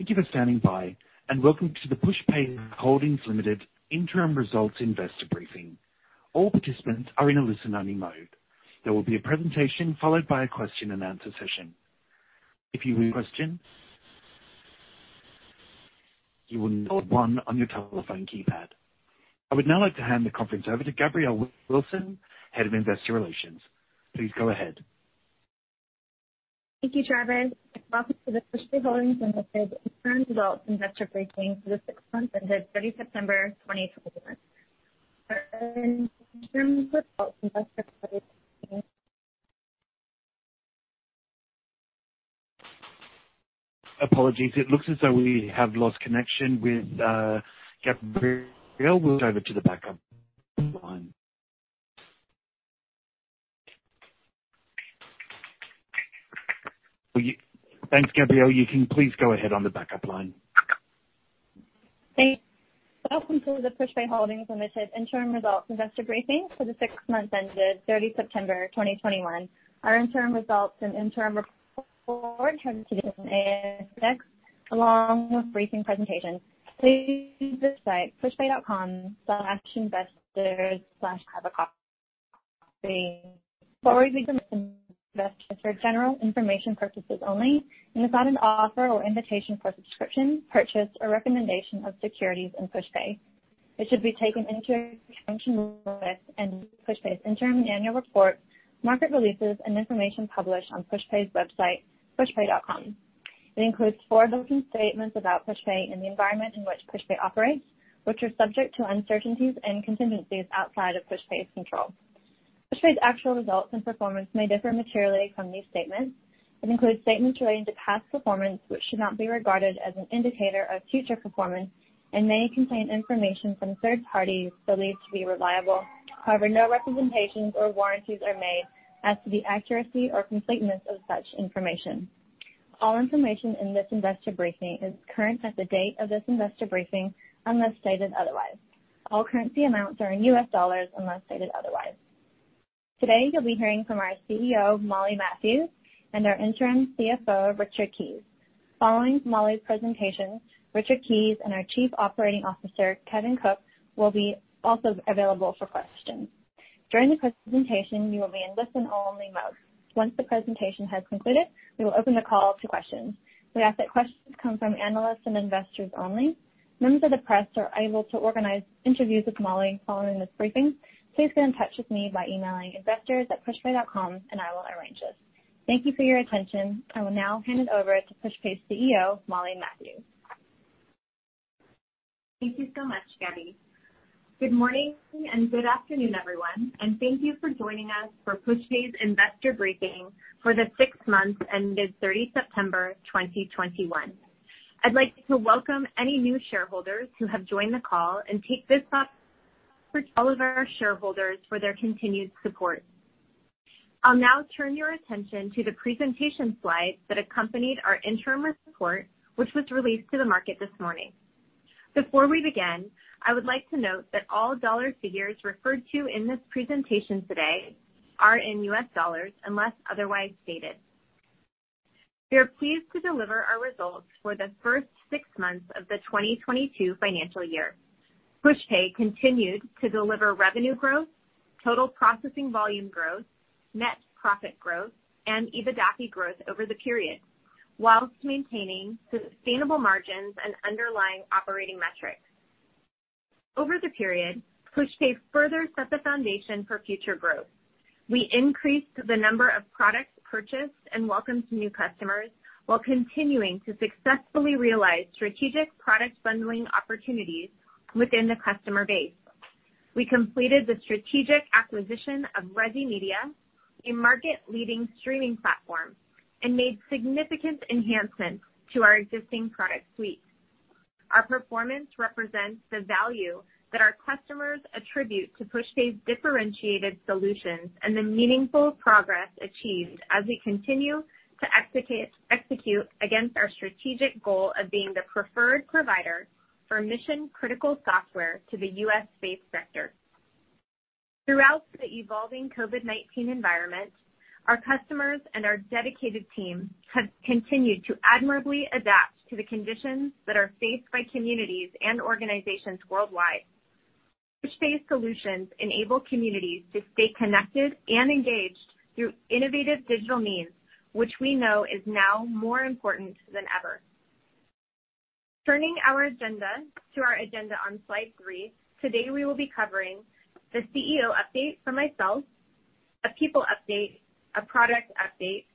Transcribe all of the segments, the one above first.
Thank you for standing by, and welcome to the Pushpay Holdings Limited Interim Results Investor Briefing. All participants are in a listen-only mode. There will be a presentation followed by a question-and-answer session. If you have a question, you will need to press one on your telephone keypad. I would now like to hand the conference over to Gabrielle Wilson, Head of Investor Relations. Please go ahead. Thank you, Travis. Welcome to the Pushpay Holdings Limited Interim Results Investor Briefing for the six months ended 30 September 2021. Our interim results investor Apologies. It looks as though we have lost connection with Gabrielle. We'll hand over to the backup line. Thanks, Gabrielle. You can please go ahead on the backup line. Thank you. Welcome to the Pushpay Holdings Limited Interim Results Investor Briefing for the six months ended 30 September 2021. Our interim results and interim report can be found on NZX, along with briefing presentations. Please use this site, pushpay.com/investors/about-us. Before we begin, this is for general information purposes only and is not an offer or invitation for subscription, purchase, or recommendation of securities in Pushpay. It should be taken into account along with Pushpay's interim and annual report, market releases, and information published on Pushpay's website, pushpay.com. It includes forward-looking statements about Pushpay and the environment in which Pushpay operates, which are subject to uncertainties and contingencies outside of Pushpay's control. Pushpay's actual results and performance may differ materially from these statements. It includes statements relating to past performance which should not be regarded as an indicator of future performance and may contain information from third parties believed to be reliable. However, no representations or warranties are made as to the accuracy or completeness of such information. All information in this investor briefing is current as of the date of this investor briefing, unless stated otherwise. All currency amounts are in US dollars, unless stated otherwise. Today, you'll be hearing from our CEO, Molly Matthews, and our Interim CFO, Richard Keys. Following Molly's presentation, Richard Keys and our Chief Operating Officer, Kevin Kuck, will be also available for questions. During the presentation, you will be in listen-only mode. Once the presentation has concluded, we will open the call to questions. We ask that questions come from analysts and investors only. Members of the press are able to organize interviews with Molly following this briefing. Please get in touch with me by emailing investors@pushpay.com, and I will arrange this. Thank you for your attention. I will now hand it over to Pushpay's CEO, Molly Matthews. Thank you so much, Gabby. Good morning and good afternoon, everyone, and thank you for joining us for Pushpay's investor briefing for the six months ended 30 September 2021. I'd like to welcome any new shareholders who have joined the call and take this opportunity to thank all of our shareholders for their continued support. I'll now turn your attention to the presentation slides that accompanied our interim report, which was released to the market this morning. Before we begin, I would like to note that all dollar figures referred to in this presentation today are in US dollars, unless otherwise stated. We are pleased to deliver our results for the first six months of the 2022 financial year. Pushpay continued to deliver revenue growth, total processing volume growth, net profit growth, and EBITDA growth over the period, while maintaining sustainable margins and underlying operating metrics. Over the period, Pushpay further set the foundation for future growth. We increased the number of products purchased and welcomed new customers while continuing to successfully realize strategic product bundling opportunities within the customer base. We completed the strategic acquisition of Resi Media, a market-leading streaming platform, and made significant enhancements to our existing product suite. Our performance represents the value that our customers attribute to Pushpay's differentiated solutions and the meaningful progress achieved as we continue to execute against our strategic goal of being the preferred provider for mission-critical software to the U.S.-based sector. Throughout the evolving COVID-19 environment, our customers and our dedicated team have continued to admirably adapt to the conditions that are faced by communities and organizations worldwide. Pushpay solutions enable communities to stay connected and engaged through innovative digital means, which we know is now more important than ever. Turning to our agenda on slide three, today we will be covering the CEO update from myself, a people update, a product update,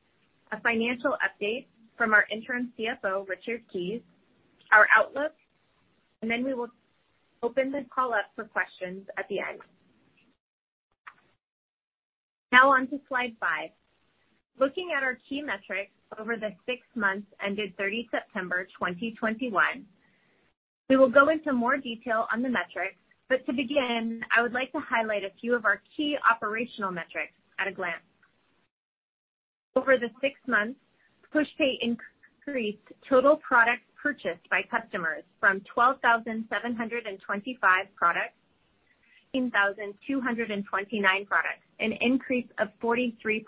a financial update from our Interim CFO, Richard Keys, our outlook, and then we will open the call up for questions at the end. Now on to slide five. Looking at our key metrics over the six months ended 30 September 2021, we will go into more detail on the metrics, but to begin, I would like to highlight a few of our key operational metrics at a glance. Over the six months, Pushpay increased total product purchased by customers from 85,486 products to 122,229 products, an increase of 43%.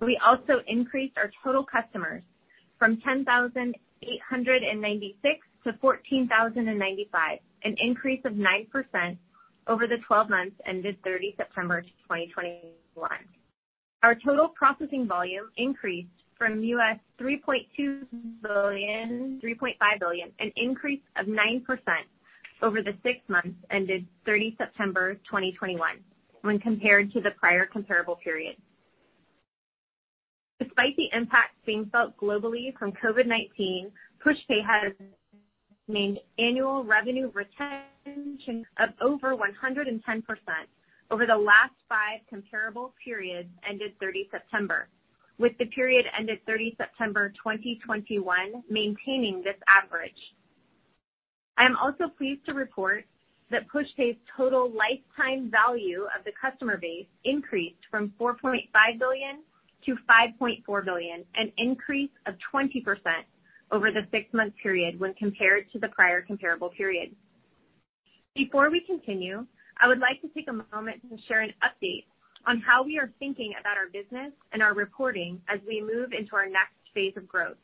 We also increased our total customers from 10,896 to 14,095, an increase of 9% over the 12 months ended 30 September 2021. Our total processing volume increased from $3.2 billion-$3.5 billion, an increase of 9% over the six months ended 30 September 2021 when compared to the prior comparable period. Despite the impact being felt globally from COVID-19, Pushpay has maintained annual revenue retention of over 110% over the last 5 comparable periods ended 30 September, with the period ended 30 September 2021 maintaining this average. I am also pleased to report that Pushpay's total lifetime value of the customer base increased from $4.5 billion-$5.4 billion, an increase of 20% over the six-month period when compared to the prior comparable period. Before we continue, I would like to take a moment to share an update on how we are thinking about our business and our reporting as we move into our next phase of growth.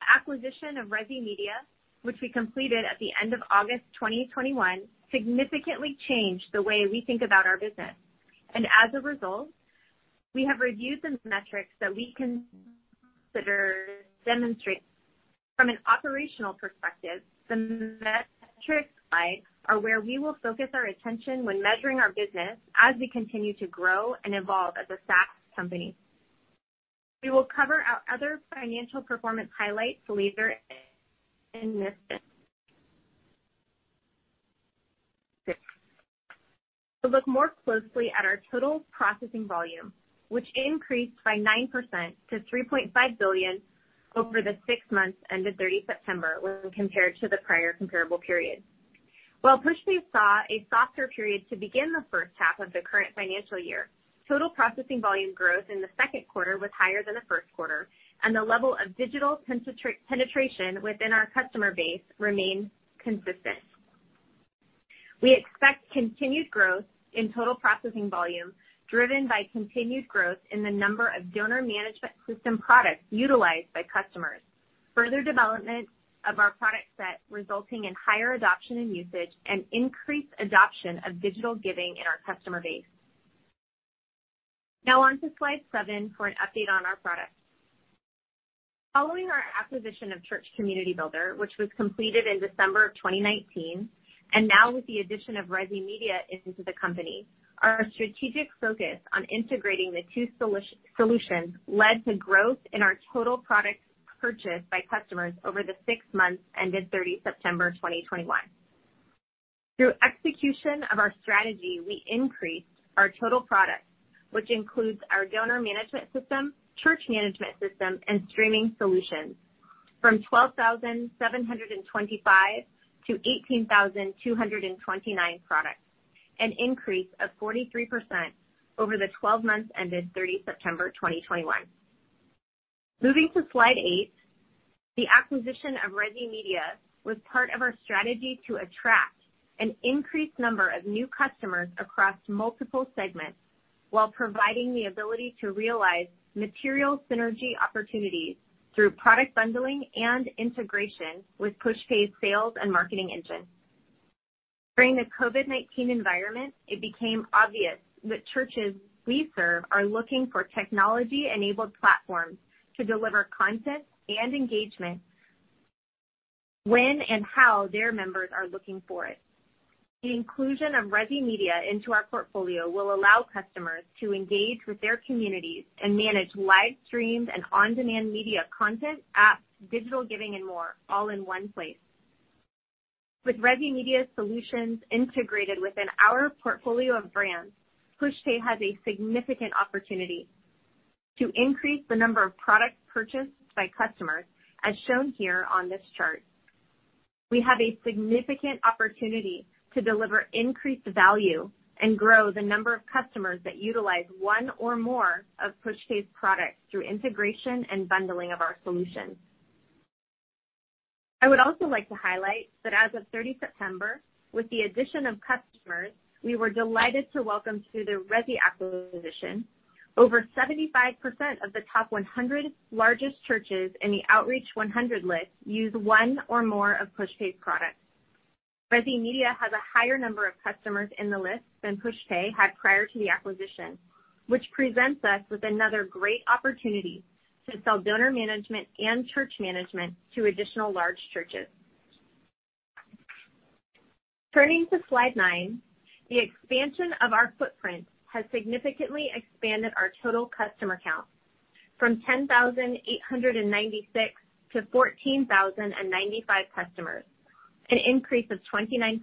The acquisition of Resi Media, which we completed at the end of August 2021, significantly changed the way we think about our business. As a result, we have reviewed the metrics that we consider demonstrate. From an operational perspective, the metrics slide are where we will focus our attention when measuring our business as we continue to grow and evolve as a SaaS company. We will cover our other financial performance highlights later in this presentation. To look more closely at our total processing volume, which increased by 9% to $3.5 billion over the six months ended 30 September when compared to the prior comparable period. While Pushpay saw a softer period to begin the first half of the current financial year, total processing volume growth in the second quarter was higher than the first quarter, and the level of digital penetration within our customer base remained consistent. We expect continued growth in total processing volume, driven by continued growth in the number of donor management system products utilized by customers, further development of our product set resulting in higher adoption and usage, and increased adoption of digital giving in our customer base. Now on to slide 7 for an update on our products. Following our acquisition of Church Community Builder, which was completed in December of 2019, and now with the addition of Resi Media into the company, our strategic focus on integrating the two solutions led to growth in our total products purchased by customers over the 6 months ended 30 September 2021. Through execution of our strategy, we increased our total products, which includes our donor management system, church management system, and streaming solutions from 12,725 to 18,229 products, an increase of 43% over the 12 months ended 30 September 2021. Moving to Slide 8, the acquisition of Resi Media was part of our strategy to attract an increased number of new customers across multiple segments while providing the ability to realize material synergy opportunities through product bundling and integration with Pushpay's sales and marketing engine. During the COVID-19 environment, it became obvious that churches we serve are looking for technology-enabled platforms to deliver content and engagement when and how their members are looking for it. The inclusion of Resi Media into our portfolio will allow customers to engage with their communities and manage live streamed and on-demand media content, apps, digital giving and more, all in one place. With Resi Media solutions integrated within our portfolio of brands, Pushpay has a significant opportunity to increase the number of products purchased by customers, as shown here on this chart. We have a significant opportunity to deliver increased value and grow the number of customers that utilize one or more of Pushpay's products through integration and bundling of our solutions. I would also like to highlight that as of 30 September, with the addition of customers, we were delighted to welcome to the Resi acquisition. Over 75% of the top 100 largest churches in the Outreach 100 list use one or more of Pushpay's products. Resi Media has a higher number of customers in the list than Pushpay had prior to the acquisition, which presents us with another great opportunity to sell donor management and church management to additional large churches. Turning to slide nine, the expansion of our footprint has significantly expanded our total customer count from 10,896 to 14,095 customers, an increase of 29%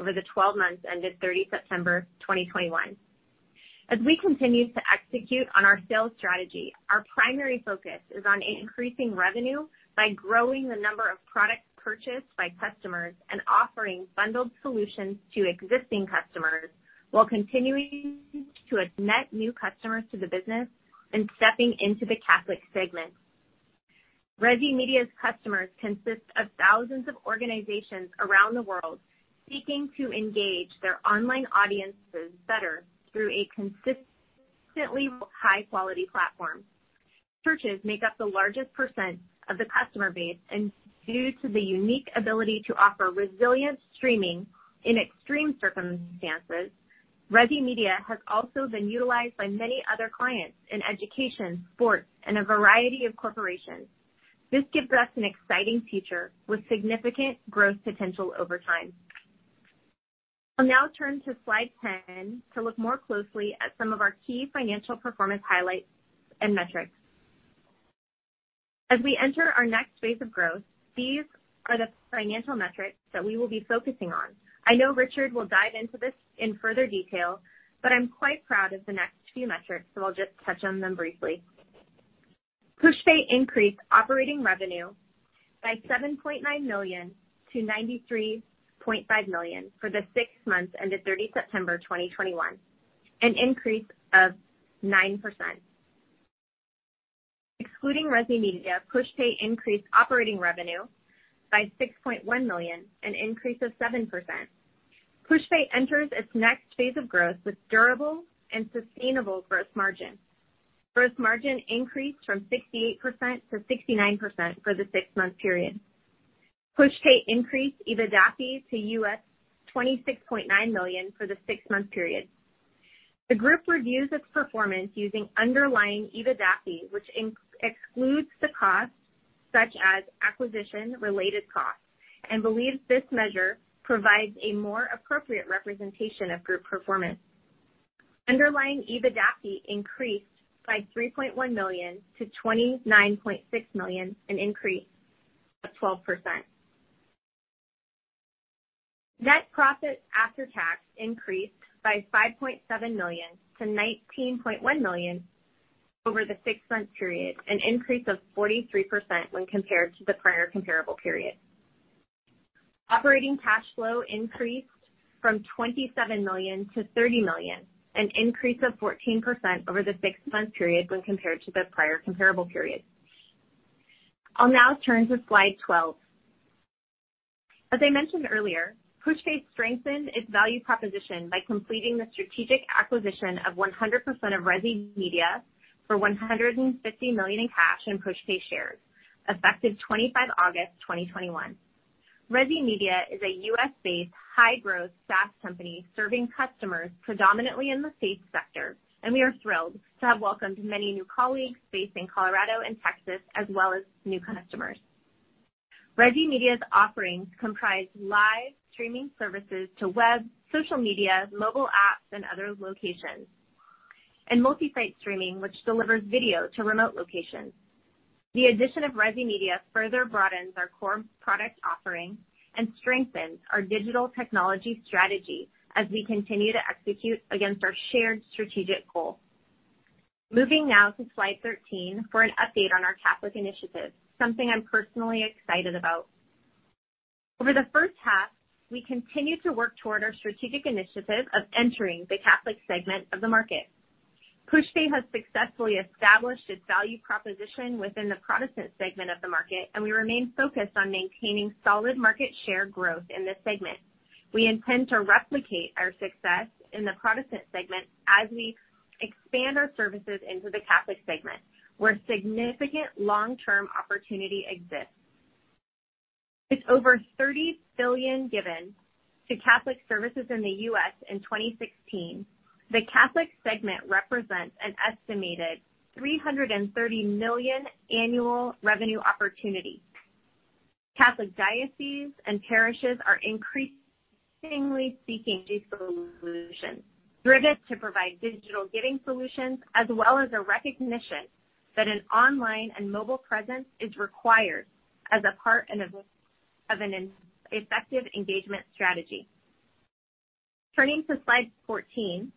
over the 12 months ended 30 September 2021. As we continue to execute on our sales strategy, our primary focus is on increasing revenue by growing the number of products purchased by customers and offering bundled solutions to existing customers while continuing to net new customers to the business and stepping into the Catholic segment. Resi Media's customers consist of thousands of organizations around the world seeking to engage their online audiences better through a consistently high-quality platform. Churches make up the largest percent of the customer base, and due to the unique ability to offer resilient streaming in extreme circumstances, Resi Media has also been utilized by many other clients in education, sports, and a variety of corporations. This gives us an exciting future with significant growth potential over time. I'll now turn to slide 10 to look more closely at some of our key financial performance highlights and metrics. As we enter our next phase of growth, these are the financial metrics that we will be focusing on. I know Richard will dive into this in further detail, but I'm quite proud of the next few metrics, so I'll just touch on them briefly. Pushpay increased operating revenue by $7.9 million to $93.5 million for the six months ended 30 September 2021, an increase of 9%. Excluding Resi Media, Pushpay increased operating revenue by $6.1 million, an increase of 7%. Pushpay enters its next phase of growth with durable and sustainable gross margin. Gross margin increased from 68% to 69% for the six-month period. Pushpay increased EBITDAFI to $26.9 million for the six-month period. The group reviews its performance using underlying EBITDAFI, which excludes the costs such as acquisition-related costs, and believes this measure provides a more appropriate representation of group performance. Underlying EBITDAFI increased by $3.1 million to $29.6 million, an increase of 12%. Net profit after tax increased by $5.7 million to $19.1 million over the six-month period, an increase of 43% when compared to the prior comparable period. Operating cash flow increased from $27 million to $30 million, an increase of 14% over the six-month period when compared to the prior comparable period. I'll now turn to slide 12. As I mentioned earlier, Pushpay strengthened its value proposition by completing the strategic acquisition of 100% of Resi Media for $150 million in cash and Pushpay shares effective 25 August 2021. Resi Media is a U.S.-based high-growth SaaS company serving customers predominantly in the faith sector, and we are thrilled to have welcomed many new colleagues based in Colorado and Texas, as well as new customers. Resi Media's offerings comprise live streaming services to web, social media, mobile apps, and other locations, and multi-site streaming, which delivers video to remote locations. The addition of Resi Media further broadens our core product offering and strengthens our digital technology strategy as we continue to execute against our shared strategic goals. Moving now to slide 13 for an update on our Catholic initiative, something I'm personally excited about. Over the first half, we continued to work toward our strategic initiative of entering the Catholic segment of the market. Pushpay has successfully established its value proposition within the Protestant segment of the market, and we remain focused on maintaining solid market share growth in this segment. We intend to replicate our success in the Protestant segment as we expand our services into the Catholic segment, where significant long-term opportunity exists. With over $30 billion given to Catholic services in the U.S. in 2016, the Catholic segment represents an estimated $330 million annual revenue opportunity. Catholic dioceses and parishes are increasingly seeking these solutions, driven to provide digital giving solutions, as well as a recognition that an online and mobile presence is required as a part of an effective engagement strategy. Turning to slide 14,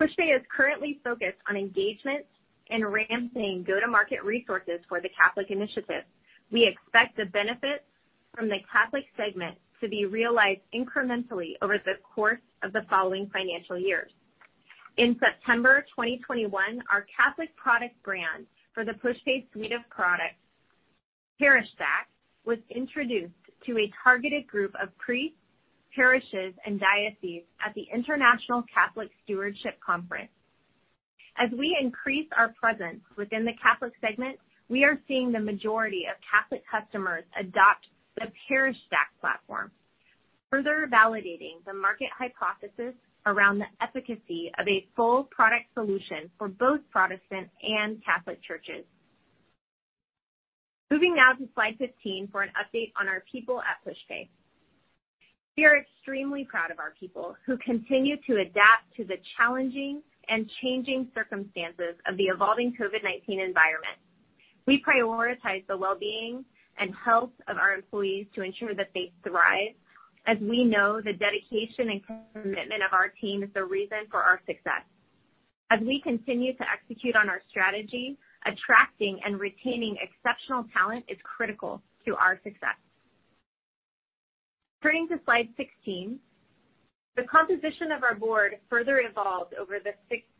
Pushpay is currently focused on engagement and ramping go-to-market resources for the Catholic initiative. We expect the benefits from the Catholic segment to be realized incrementally over the course of the following financial years. In September 2021, our Catholic product brand for the Pushpay suite of products, ParishStaq, was introduced to a targeted group of priests, parishes, and dioceses at the International Catholic Stewardship Council. As we increase our presence within the Catholic segment, we are seeing the majority of Catholic customers adopt the ParishStaq platform, further validating the market hypothesis around the efficacy of a full product solution for both Protestant and Catholic churches. Moving now to slide 15 for an update on our people at Pushpay. We are extremely proud of our people who continue to adapt to the challenging and changing circumstances of the evolving COVID-19 environment. We prioritize the well-being and health of our employees to ensure that they thrive, as we know the dedication and commitment of our team is the reason for our success. As we continue to execute on our strategy, attracting and retaining exceptional talent is critical to our success. Turning to slide 16, the composition of our board further evolved over the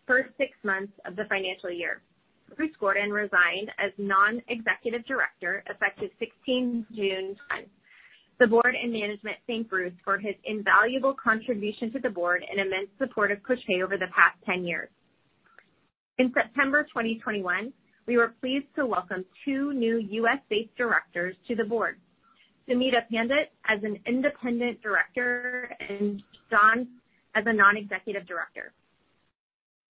first six months of the financial year. Bruce Gordon resigned as Non-executive Director effective 16 June 2010. The board and management thank Bruce for his invaluable contribution to the board and immense support of Pushpay over the past 10 years. In September 2021, we were pleased to welcome two new U.S.-based directors to the board, Sumita Pandit as an Independent Director and Don as a Non-executive Director.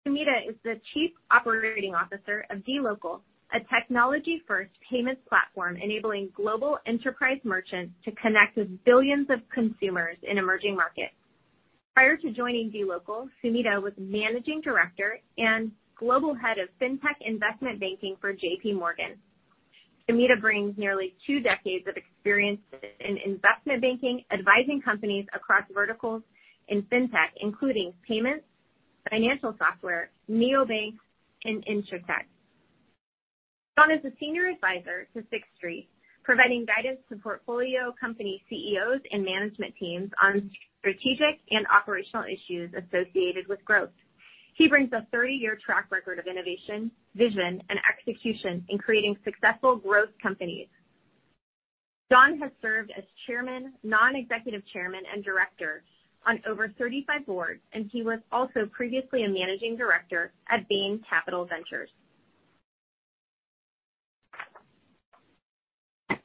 Sumita is the Chief Operating Officer of dLocal, a technology-first payments platform enabling global enterprise merchants to connect with billions of consumers in emerging markets. Prior to joining dLocal, Sumita was Managing Director and Global Head of fintech Investment Banking for JPMorgan. Sumita brings nearly two decades of experience in investment banking, advising companies across verticals in fintech, including payments, financial software, neobanks, and insurtech. Don is a senior advisor to Sixth Street, providing guidance to portfolio company CEOs and management teams on strategic and operational issues associated with growth. He brings a 30-year track record of innovation, vision and execution in creating successful growth companies. Don has served as chairman, non-executive chairman and director on over 35 boards, and he was also previously a managing director at Bain Capital Ventures.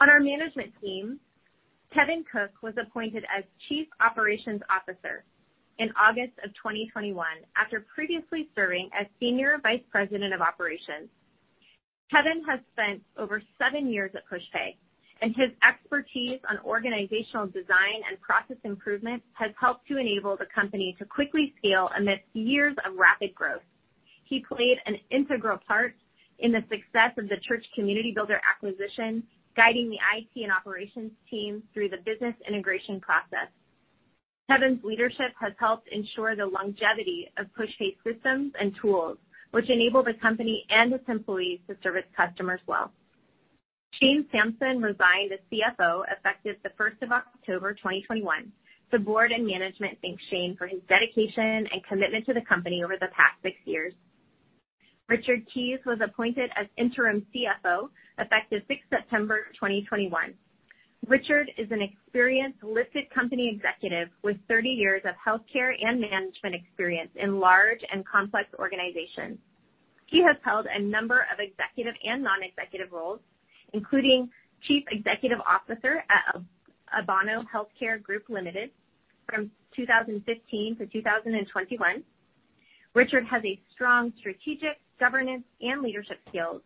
On our management team, Kevin Kuck was appointed as Chief Operations Officer in August 2021 after previously serving as Senior Vice President of Operations. Kevin has spent over seven years at Pushpay, and his expertise on organizational design and process improvement has helped to enable the company to quickly scale amidst years of rapid growth. He played an integral part in the success of the Church Community Builder acquisition, guiding the IT and operations team through the business integration process. Kevin's leadership has helped ensure the longevity of Pushpay systems and tools which enable the company and its employees to serve its customers well. Shane Sampson resigned as CFO effective the first of October 2021. The board and management thank Shane for his dedication and commitment to the company over the past six years. Richard Keys was appointed as interim CFO effective sixth September 2021. Richard is an experienced listed company executive with 30 years of healthcare and management experience in large and complex organizations. He has held a number of executive and non-executive roles, including Chief Executive Officer at Abano Healthcare Group Limited from 2015 to 2021. Richard has a strong strategic governance and leadership skills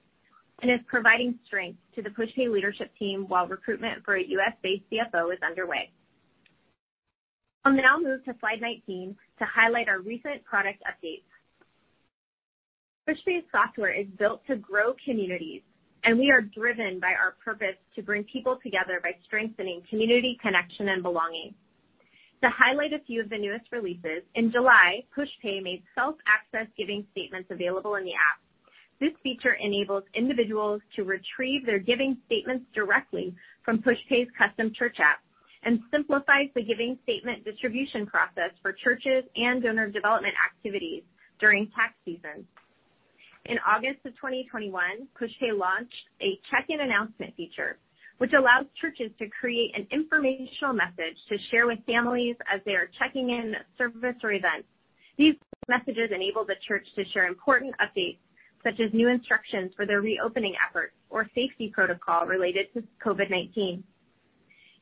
and is providing strength to the Pushpay leadership team while recruitment for a U.S.-based CFO is underway. I'll now move to slide 19 to highlight our recent product updates. Pushpay's software is built to grow communities, and we are driven by our purpose to bring people together by strengthening community, connection and belonging. To highlight a few of the newest releases, in July, Pushpay made self-access giving statements available in the app. This feature enables individuals to retrieve their giving statements directly from Pushpay's custom church app and simplifies the giving statement distribution process for churches and donor development activities during tax season. In August of 2021, Pushpay launched a check-in announcement feature, which allows churches to create an informational message to share with families as they are checking in service or events. These messages enable the church to share important updates, such as new instructions for their reopening efforts or safety protocol related to COVID-19.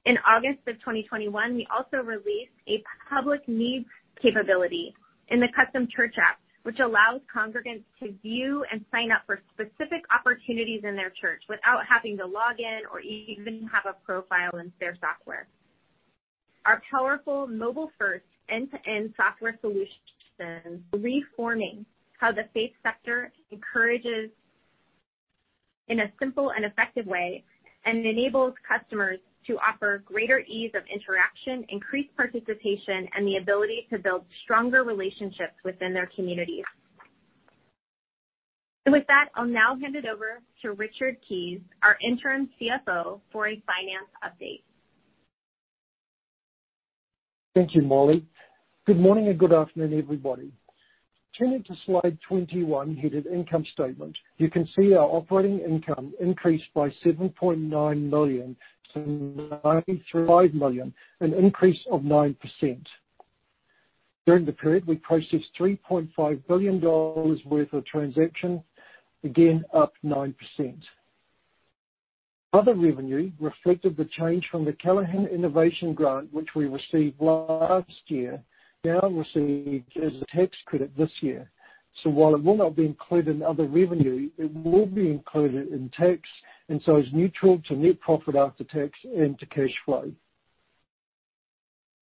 In August of 2021, we also released a public needs capability in the custom church app, which allows congregants to view and sign up for specific opportunities in their church without having to log in or even have a profile in their software. Our powerful mobile first end-to-end software solution is reforming how the faith sector encourages in a simple and effective way, and enables customers to offer greater ease of interaction, increased participation, and the ability to build stronger relationships within their communities. With that, I'll now hand it over to Richard Keys, our Interim CFO, for a finance update. Thank you, Molly. Good morning and good afternoon, everybody. Turning to slide 21, headed Income Statement, you can see our operating income increased by $7.9 million to $95 million, an increase of 9%. During the period, we processed $3.5 billion worth of transactions, again up 9%. Other revenue reflected the change from the Callaghan Innovation Grant, which we received last year, now received as a tax credit this year. While it will not be included in other revenue, it will be included in tax, and so is neutral to net profit after tax and to cash flow.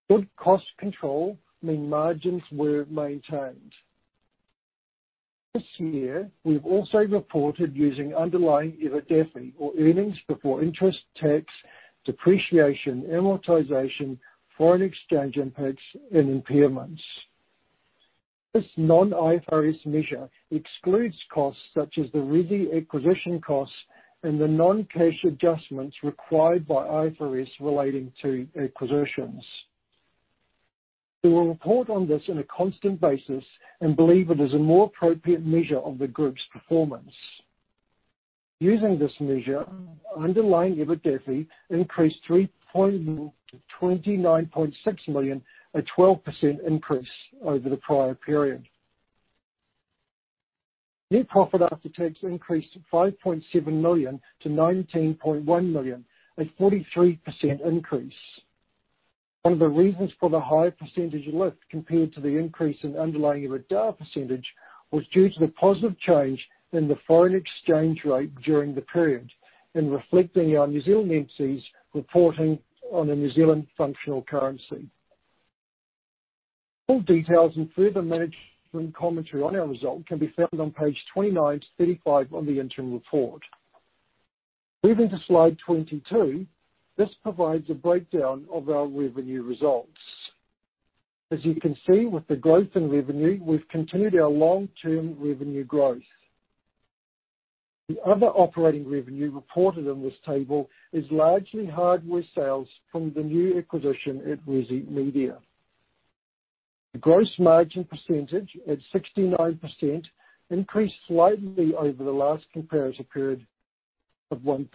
Good cost control means margins were maintained. This year, we've also reported using underlying EBITDA or earnings before interest, tax, depreciation, amortization, foreign exchange impacts and impairments. This non-IFRS measure excludes costs such as the Resi acquisition costs and the non-cash adjustments required by IFRS relating to acquisitions. We will report on this on a constant basis and believe it is a more appropriate measure of the group's performance. Using this measure, underlying EBITDA increased $29.6 million, a 12% increase over the prior period. Net profit after tax increased $5.7 million to $19.1 million, a 43% increase. One of the reasons for the high percentage lift compared to the increase in underlying EBITDA percentage was due to the positive change in the foreign exchange rate during the period in reflecting our New Zealand entities reporting on a New Zealand functional currency. Full details and further management commentary on our results can be found on page 29 to 35 of the interim report. Moving to slide 22, this provides a breakdown of our revenue results. As you can see, with the growth in revenue, we've continued our long-term revenue growth. The other operating revenue reported in this table is largely hardware sales from the new acquisition at Resi Media. The gross margin percentage at 69% increased slightly over the last comparison period of 1%.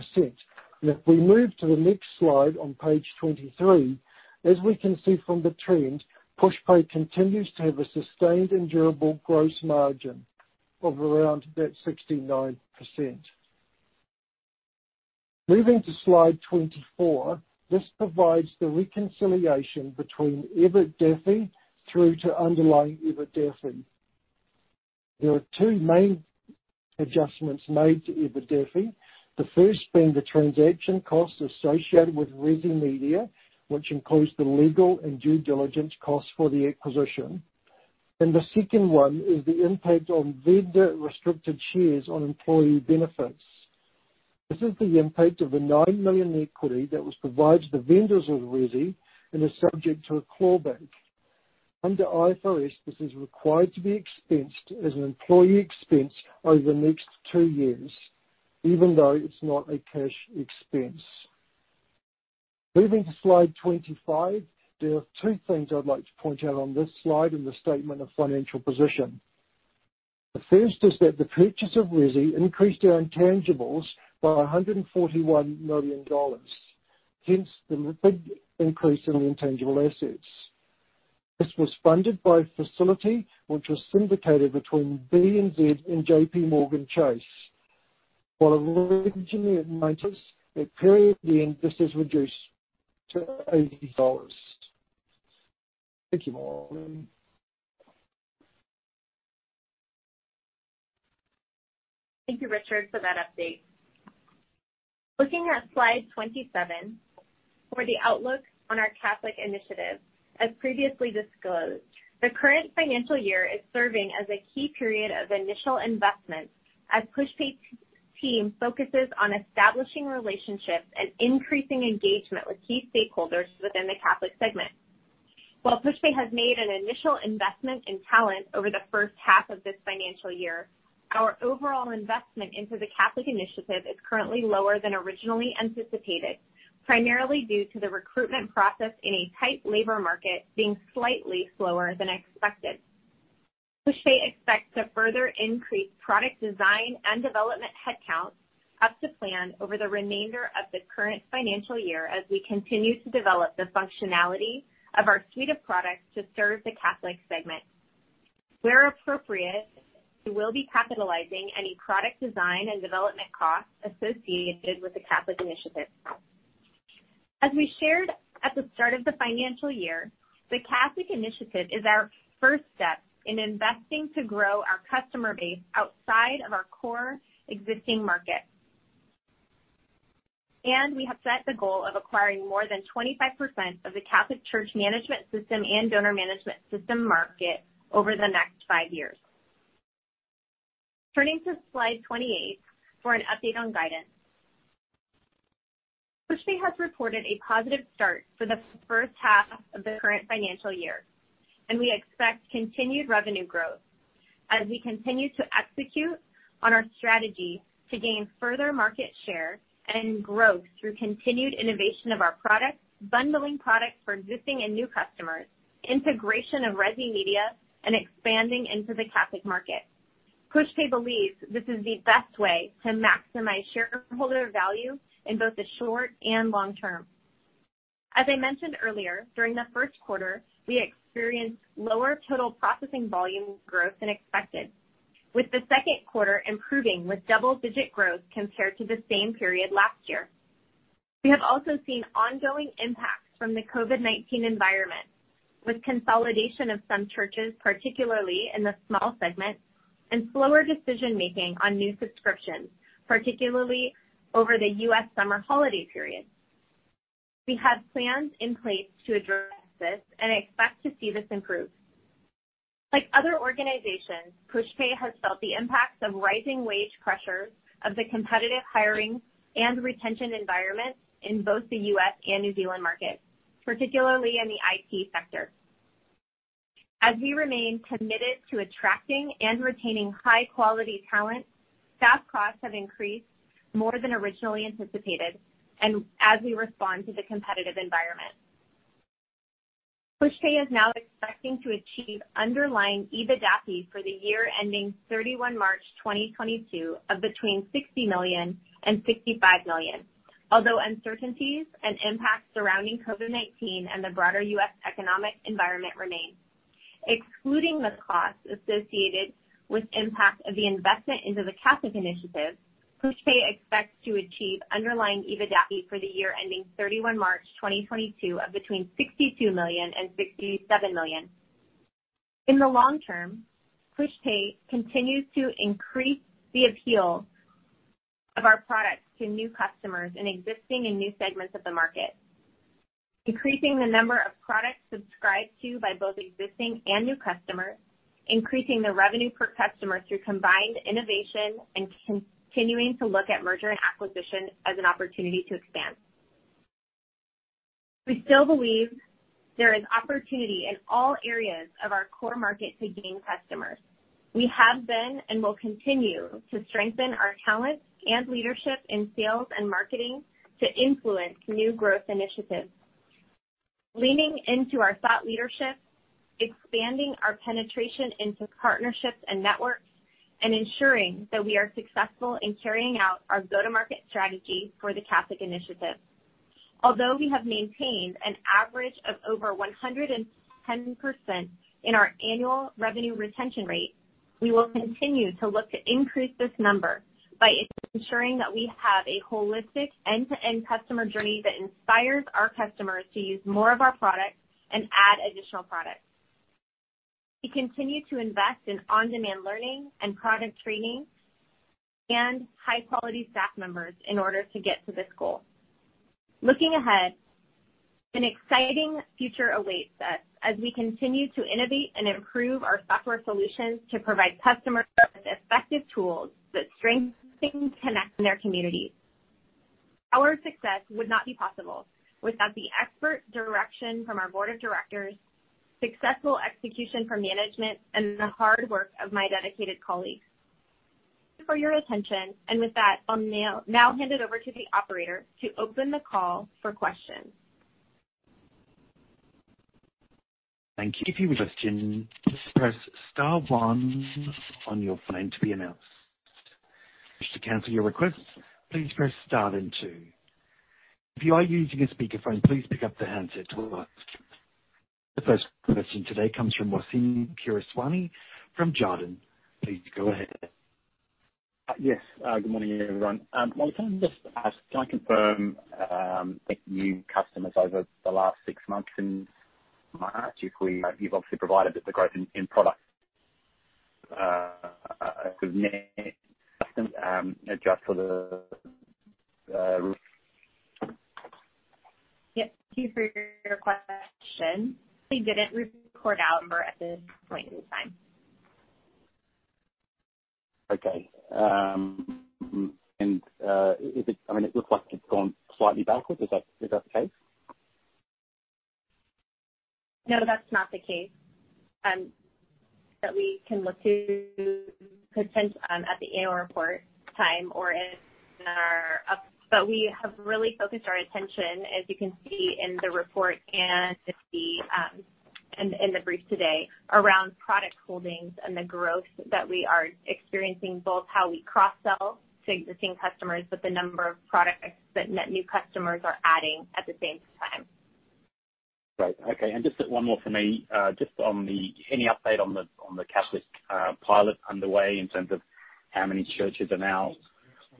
If we move to the next slide on page 23, as we can see from the trend, Pushpay continues to have a sustained and durable gross margin of around that 69%. Moving to slide 24, this provides the reconciliation between EBITDA through to underlying EBITDA. There are two main adjustments made to EBITDA. The first being the transaction costs associated with Resi Media, which includes the legal and due diligence costs for the acquisition. The second one is the impact on vendor-restricted shares on employee benefits. This is the impact of the $9 million equity that was provided to the vendors of Resi and is subject to a clawback. Under IFRS, this is required to be expensed as an employee expense over the next two years, even though it's not a cash expense. Moving to slide 25, there are two things I'd like to point out on this slide in the statement of financial position. The first is that the purchase of Resi increased our intangibles by $141 million, hence the big increase in the intangible assets. This was funded by a facility which was syndicated between BNZ and JPMorgan Chase. While originally it was more, at period the interest is reduced to $80. Thank you, Molly. Thank you, Richard, for that update. Looking at slide 27 for the outlook on our Catholic Initiative. As previously disclosed, the current financial year is serving as a key period of initial investment as Pushpay team focuses on establishing relationships and increasing engagement with key stakeholders within the Catholic segment. While Pushpay has made an initial investment in talent over the first half of this financial year, our overall investment into the Catholic Initiative is currently lower than originally anticipated, primarily due to the recruitment process in a tight labor market being slightly slower than expected. Pushpay expects to further increase product design and development headcount up to plan over the remainder of the current financial year as we continue to develop the functionality of our suite of products to serve the Catholic segment. Where appropriate, we will be capitalizing any product design and development costs associated with the Catholic initiative. As we shared at the start of the financial year, the Catholic initiative is our first step in investing to grow our customer base outside of our core existing market. We have set the goal of acquiring more than 25% of the Catholic church management system and donor management system market over the next five years. Turning to slide 28 for an update on guidance. Pushpay has reported a positive start for the first half of the current financial year, and we expect continued revenue growth as we continue to execute on our strategy to gain further market share and growth through continued innovation of our products, bundling products for existing and new customers, integration of Resi Media, and expanding into the Catholic market. Pushpay believes this is the best way to maximize shareholder value in both the short and long term. As I mentioned earlier, during the first quarter, we experienced lower total processing volume growth than expected, with the second quarter improving with double-digit growth compared to the same period last year. We have also seen ongoing impacts from the COVID-19 environment, with consolidation of some churches, particularly in the small segment, and slower decision-making on new subscriptions, particularly over the U.S. summer holiday period. We have plans in place to address this and expect to see this improve. Like other organizations, Pushpay has felt the impacts of rising wage pressures of the competitive hiring and retention environment in both the U.S. and New Zealand markets. Particularly in the IT sector. As we remain committed to attracting and retaining high quality talent, staff costs have increased more than originally anticipated, and as we respond to the competitive environment. Pushpay is now expecting to achieve underlying EBITDAFI for the year ending 31 March 2022 of between $60 million and $65 million. Although uncertainties and impacts surrounding COVID-19 and the broader U.S. economic environment remain. Excluding the costs associated with impact of the investment into the Catholic initiative, Pushpay expects to achieve underlying EBITDAFI for the year ending 31 March 2022 of between $62 million and $67 million. In the long term, Pushpay continues to increase the appeal of our products to new customers in existing and new segments of the market, increasing the number of products subscribed to by both existing and new customers, increasing the revenue per customer through combined innovation. Continuing to look at merger and acquisition as an opportunity to expand. We still believe there is opportunity in all areas of our core market to gain customers. We have been and will continue to strengthen our talent and leadership in sales and marketing to influence new growth initiatives, leaning into our thought leadership, expanding our penetration into partnerships and networks, and ensuring that we are successful in carrying out our go-to-market strategy for the Catholic initiative. Although we have maintained an average of over 110% in our annual revenue retention rate, we will continue to look to increase this number by ensuring that we have a holistic end-to-end customer journey that inspires our customers to use more of our products and add additional products. We continue to invest in on-demand learning and product training and high-quality staff members in order to get to this goal. Looking ahead, an exciting future awaits us as we continue to innovate and improve our software solutions to provide customers with effective tools that strengthen connection in their communities. Our success would not be possible without the expert direction from our board of directors, successful execution from management, and the hard work of my dedicated colleagues. Thank you for your attention. With that, I'll now hand it over to the operator to open the call for questions. The first question today comes from Wassim Kisirwani from Jarden. Please go ahead. Yes. Good morning, everyone. Molly, can I just ask, can I confirm, I think new customers over the last six months in March. You've obviously provided that the growth in product, adjust for the. Yes. Thank you for your question. We didn't report our number at this point in time. Okay. I mean, it looks like it's gone slightly backwards. Is that the case? No, that's not the case that we can look to potentially at the annual report time or in our update. We have really focused our attention, as you can see in the report and the brief today, around product holdings and the growth that we are experiencing, both how we cross-sell to existing customers, but the number of products that net new customers are adding at the same time. Great. Okay. Just one more for me, just on any update on the Catholic pilot underway in terms of how many churches are now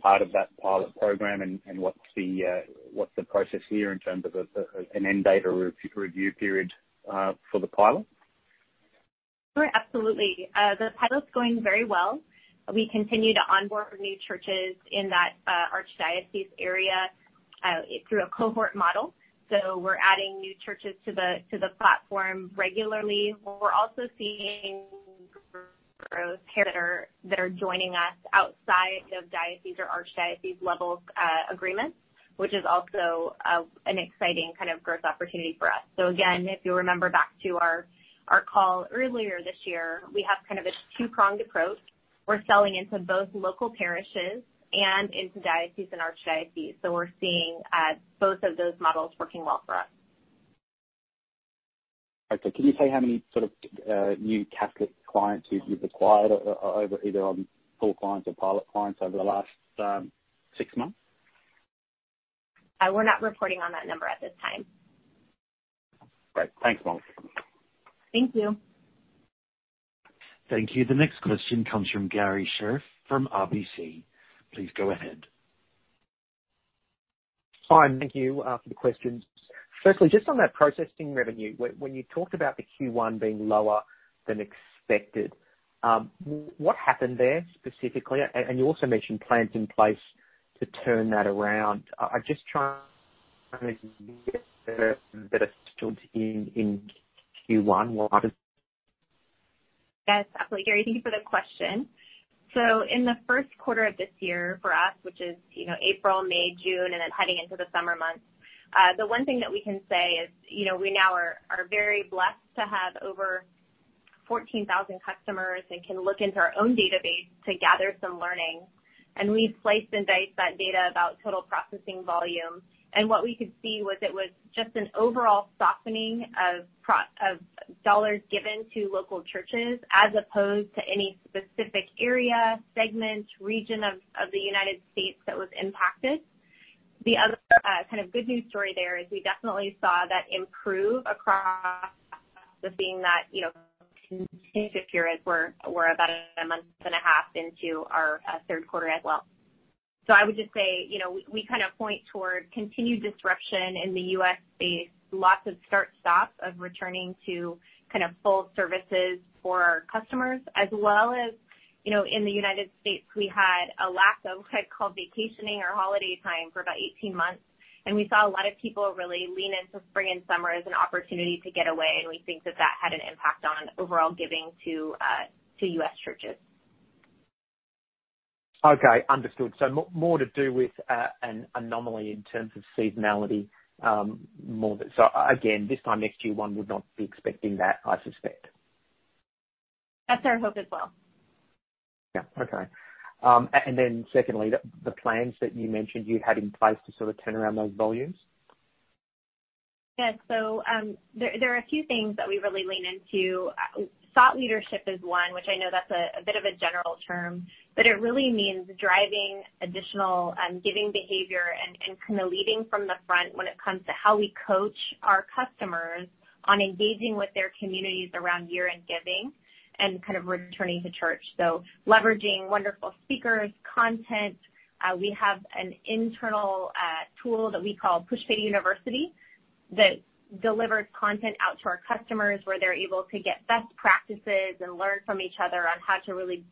part of that pilot program and what's the process here in terms of an end date or re-review period for the pilot? Sure. Absolutely. The pilot's going very well. We continue to onboard new churches in that archdiocese area through a cohort model. We're adding new churches to the platform regularly. We're also seeing growth that are joining us outside of diocese or archdiocese levels agreements, which is also an exciting kind of growth opportunity for us. Again, if you remember back to our call earlier this year, we have kind of a two-pronged approach. We're selling into both local parishes and into diocese and archdiocese. We're seeing both of those models working well for us. Okay. Can you say how many sort of new Catholic clients you've acquired over either on full clients or pilot clients over the last six months? We're not reporting on that number at this time. Great. Thanks, Molly. Thank you. Thank you. The next question comes from Garry Sherriff from RBC. Please go ahead. Hi, and thank you for the questions. Firstly, just on that processing revenue, when you talked about the Q1 being lower than expected, what happened there specifically? You also mentioned plans in place to turn that around. I'm just trying to get if they are still in Q1. Yes, absolutely. Gary, thank you for the question. In the first quarter of this year for us, which is, you know, April, May, June, and then heading into the summer months, the one thing that we can say is, you know, we now are very blessed to have over 14,000 customers and can look into our own database to gather some learnings. We've sliced and diced that data about total processing volume. What we could see was it was just an overall softening of dollars given to local churches as opposed to any specific area, segment, region of the United States that was impacted. The other kind of good news story there is we definitely saw that improve across just seeing that, you know, period we're about a month and a half into our third quarter as well. I would just say, you know, we kind of point toward continued disruption in the U.S.-based lots of start-stops of returning to kind of full services for our customers as well as, you know, in the United States, we had a lack of what's called vacationing or holiday time for about 18 months. We saw a lot of people really lean into spring and summer as an opportunity to get away, and we think that had an impact on overall giving to U.S. churches. Okay, understood. More to do with an anomaly in terms of seasonality, more that. Again, this time next year, one would not be expecting that, I suspect. That's our hope as well. Yeah. Okay. Secondly, the plans that you mentioned you had in place to sort of turn around those volumes. Yes. There are a few things that we really lean into. Thought leadership is one, which I know that's a bit of a general term, but it really means driving additional giving behavior and kinda leading from the front when it comes to how we coach our customers on engaging with their communities around year-end giving and kind of returning to church, leveraging wonderful speakers, content. We have an internal tool that we call Pushpay University that delivers content out to our customers, where they're able to get best practices and learn from each other on how to really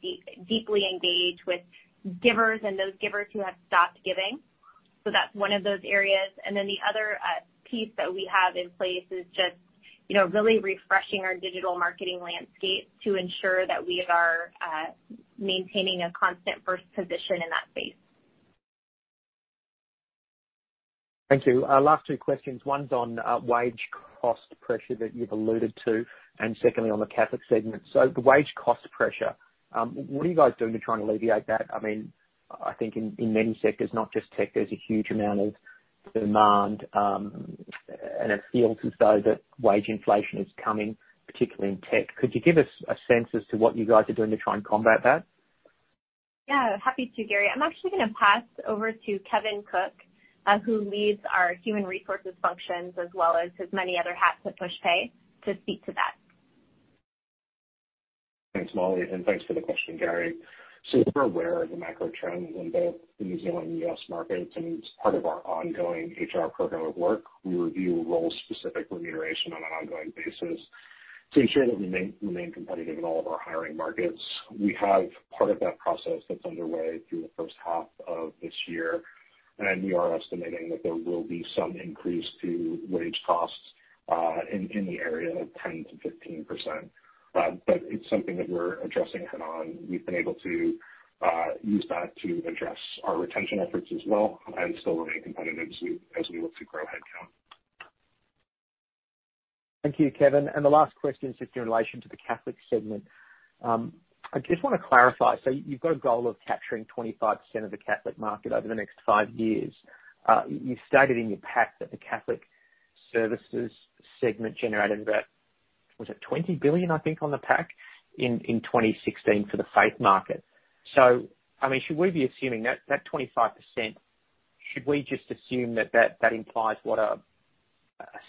deeply engage with givers and those givers who have stopped giving. That's one of those areas. The other piece that we have in place is just, you know, really refreshing our digital marketing landscape to ensure that we are maintaining a constant first position in that space. Thank you. Last two questions. One's on wage cost pressure that you've alluded to, and secondly, on the Catholic segment. The wage cost pressure, what are you guys doing to try and alleviate that? I mean, I think in many sectors, not just tech, there's a huge amount of demand, and it feels as though that wage inflation is coming, particularly in tech. Could you give us a sense as to what you guys are doing to try and combat that? Yeah, happy to, Gary. I'm actually gonna pass over to Kevin Kuck, who leads our human resources functions as well as his many other hats at Pushpay, to speak to that. Thanks, Molly. Thanks for the question, Garry Sherriff. We're aware of the macro trends in both the New Zealand and U.S. markets, and as part of our ongoing HR program of work, we review role-specific remuneration on an ongoing basis to ensure that we remain competitive in all of our hiring markets. We have part of that process that's underway through the first half of this year. We are estimating that there will be some increase to wage costs in the area of 10%-15%. It's something that we're addressing head on. We've been able to use that to address our retention efforts as well and still remain competitive as we look to grow headcount. Thank you, Kevin. The last question is just in relation to the Catholic segment. I just wanna clarify. You've got a goal of capturing 25% of the Catholic market over the next 5 years. You stated in your pack that the Catholic services segment generated about $20 billion, I think, in the pack in 2016 for the faith market. I mean, should we be assuming that 25%, should we just assume that implies what, a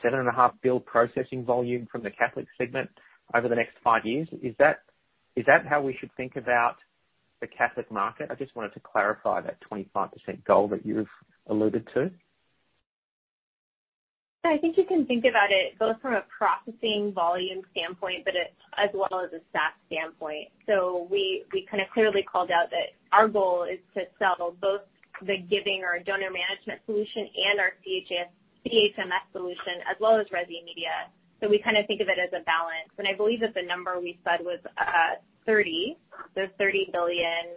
7.5 billion processing volume from the Catholic segment over the next 5 years? Is that how we should think about the Catholic market? I just wanted to clarify that 25% goal that you've alluded to. I think you can think about it both from a processing volume standpoint, but it as well as a SaaS standpoint. We kind of clearly called out that our goal is to sell both the giving or donor management solution and our ChMS solution as well as Resi Media. We kinda think of it as a balance. I believe that the number we said was 30. 30 billion.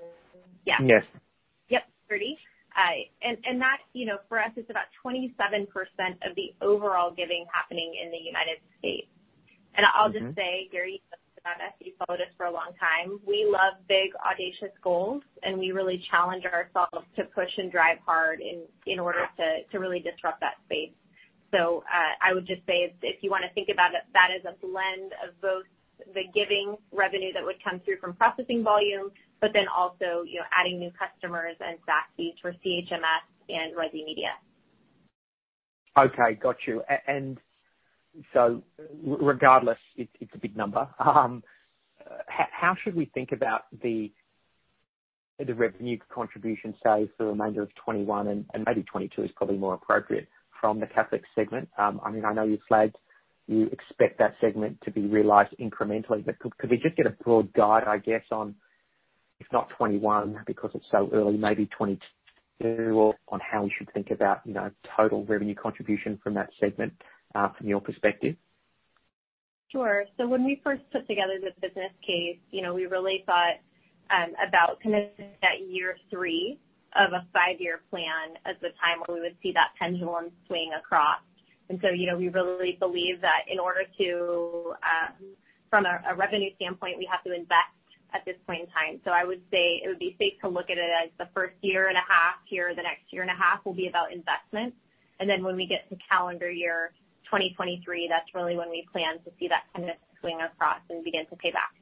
Yeah. Yes. Yep, 30. That's, you know, for us, it's about 27% of the overall giving happening in the United States. Mm-hmm. I'll just say, Garry, you know this about us, you've followed us for a long time. We love big, audacious goals, and we really challenge ourselves to push and drive hard in order to really disrupt that space. I would just say if you wanna think about it, that is a blend of both the giving revenue that would come through from processing volume, but then also, you know, adding new customers and SaaS fees for ChMS and Resi Media. Okay, got you. Regardless, it's a big number. How should we think about the revenue contribution, say, for the remainder of 2021 and maybe 2022 is probably more appropriate from the Catholic segment? I mean, I know you flagged you expect that segment to be realized incrementally, but could we just get a broad guide, I guess, on if not 2021, because it's so early, maybe 2022 on how we should think about, you know, total revenue contribution from that segment from your perspective. Sure. When we first put together this business case, you know, we really thought about kind of at year three of a five-year plan as the time where we would see that pendulum swing across. You know, we really believe that in order to from a revenue standpoint, we have to invest at this point in time. I would say it would be safe to look at it as the first year and a half here. The next year and a half will be about investment. When we get to calendar year 2023, that's really when we plan to see that kind of swing across and begin to pay back.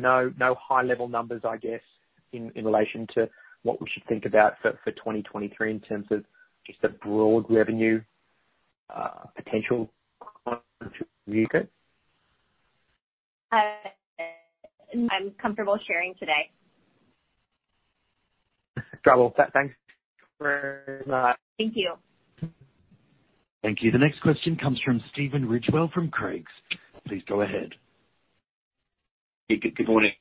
No high-level numbers, I guess, in relation to what we should think about for 2023 in terms of just a broad revenue potential view good? I'm comfortable sharing today. Got it. Thanks very much. Thank you. Thank you. The next question comes from Stephen Ridgewell from Craigs. Please go ahead. Good morning.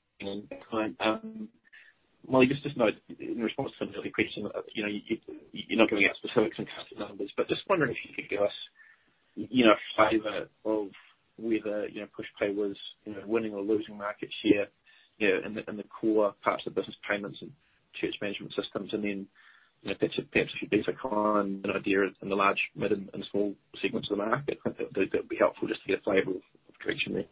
Well, just note in response to an earlier question, you know, you're not giving out specifics on customer numbers, but just wondering if you could give us, you know, a flavor of whether, you know, Pushpay was, you know, winning or losing market share, you know, in the core parts of the business payments and church management systems. You know, perhaps a few data or an idea in the large, medium, and small segments of the market. That'd be helpful just to get a flavor of direction there.